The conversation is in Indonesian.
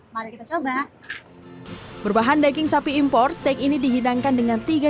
mari kita coba berbahan daging sapi impor steak ini dihidangkan dengan tiga